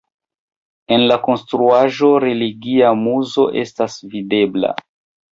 En la konstruaĵo religia muzo estas videbla.